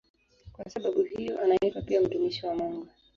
Kwa sababu hiyo anaitwa pia "mtumishi wa Mungu".